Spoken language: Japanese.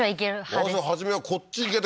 私は初めはこっちいけて